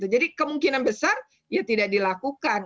jadi kemungkinan besar tidak dilakukan